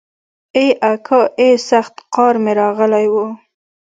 ای اکا ای سخت قار مې راغلی و.